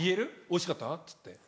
「おいしかった？」っつって。